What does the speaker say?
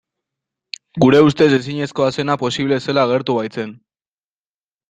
Gure ustez ezinezkoa zena posible zela agertu baitzen.